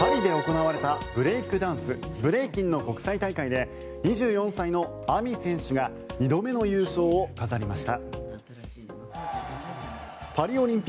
タイで行われたブレイクダンスブレイキンの国際大会で２４歳のＡｍｉ選手が２度目の優勝を飾りました。